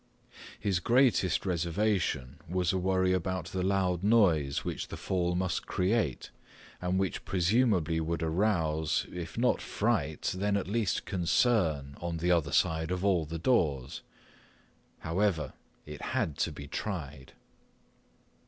His greatest reservation was a worry about the loud noise which the fall must create and which presumably would arouse, if not fright, then at least concern on the other side of all the doors. However, it had to be tried.